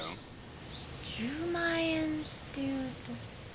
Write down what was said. １０万円っていうと。